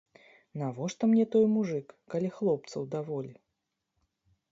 Навошта мне той мужык, калі хлопцаў даволі.